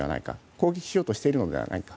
攻撃しようとしているのではないか。